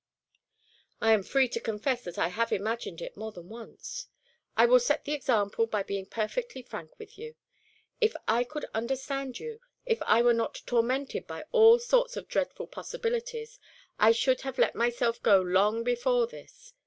"I am free to confess that I have imagined it more than once. I will set the example by being perfectly frank with you. If I could understand you, if I were not tormented by all sorts of dreadful possibilities, I should have let myself go long before this.